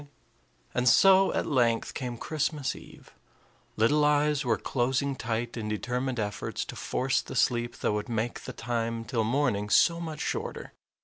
And so at length came Christmas eve. Little eyes were closing tight in determined efforts to force the sleep that would make the time till morning so much shorter.